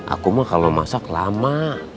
aku mah kalau masak lama